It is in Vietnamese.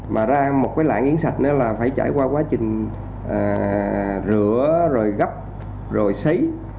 mà ra một cái lạng yến sạch đó là phải trải qua quá trình rửa rồi gắp rồi xấy